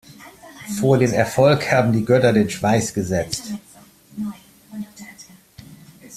Vor den Erfolg haben die Götter den Schweiß gesetzt.